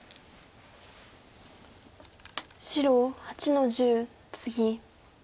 白８の十ツギ。